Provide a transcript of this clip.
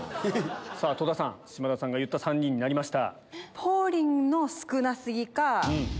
戸田さん島田さんが言った３人になりました。